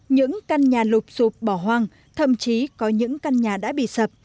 những căn nhà lụp sụp bỏ hoang thậm chí có những căn nhà đã bị sập